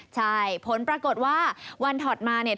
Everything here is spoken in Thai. ใช่ผลปรากฏว่าวันถอดมาเนี่ย